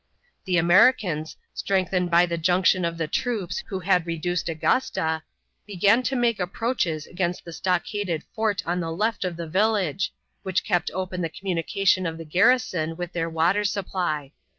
The Americans, strengthened by the junction of the troops who had reduced Augusta, began to make approaches against the stockaded fort on the left of the village, which kept open the communication of the garrison with their water supply.